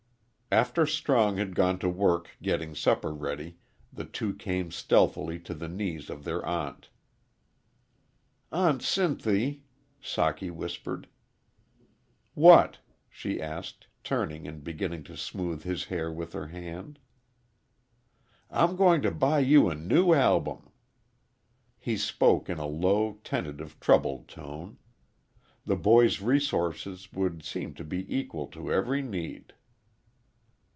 After Strong had gone to work getting supper ready the two came stealthily to the knees of their aunt. "Aunt Sinthy," Socky whispered. "What?" she asked, turning and beginning to smooth his hair with her hand. "I'm going to buy you a new album." He spoke in a low, tentative, troubled tone. The boy's resources would seem to be equal to every need.